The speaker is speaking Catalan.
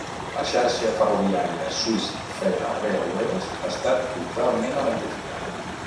La xarxa ferroviària Swiss Federal Railways està totalment electrificada.